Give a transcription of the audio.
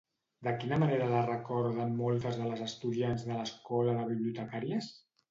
De quina manera la recorden moltes de les estudiants de l'Escola de Bibliotecàries?